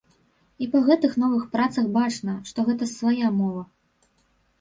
І па гэтых новых працах бачна, што гэта свая мова.